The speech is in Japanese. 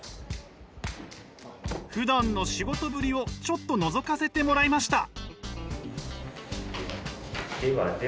ふだんの仕事ぶりをちょっとのぞかせてもらいました！